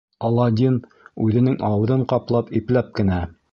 Аладдин, үҙенең ауыҙын ҡаплап, ипләп кенә: